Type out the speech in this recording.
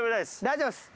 大丈夫です。